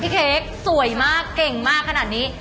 เค้กสวยมากเก่งมากขนาดนี้